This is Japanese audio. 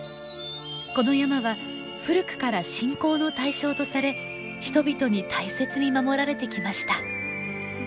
この山は古くから信仰の対象とされ人々に大切に守られてきました。